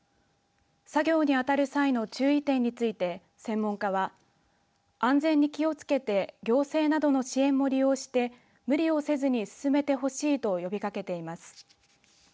作業に当たる際の注意点について専門家は、安全に気をつけて行政などの支援も利用して無理をせずに進めてほしいと呼びかけています。